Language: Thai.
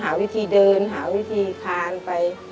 หาวิธีเดินหาวิธีคานไป